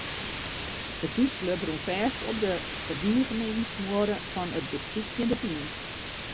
De thúsklup rûn fêst op de ferdigeningsmuorre fan it besykjende team.